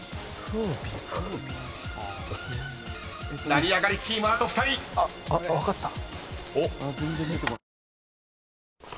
［成り上がりチームあと２人］あっ分かった。